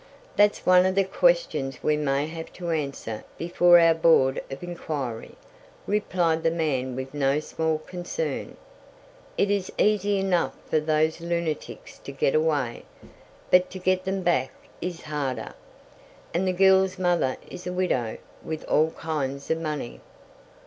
"That's one of the questions we may have to answer before our Board of Inquiry," replied the man with no small concern. "It is easy enough for those lunatics to get away, but to get them back is harder. And the girl's mother is a widow, with all kinds of money."